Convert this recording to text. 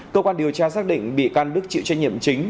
cơ quan điều tra xác định bị can đức chịu trách nhiệm chính